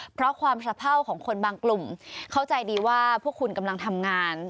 เพราะความสะเภาของคนบางกลุ่มเข้าใจดีว่าพวกคุณกำลังทำงาน